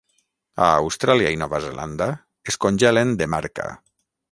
A Austràlia i Nova Zelanda es congelen de marca.